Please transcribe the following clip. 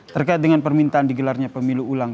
terkait dengan permintaan digelarnya pemilu ulang